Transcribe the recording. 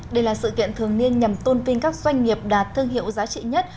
đây là sự kiện thường niên nhằm tôn vinh các doanh nghiệp đạt thương hiệu giá trị nhất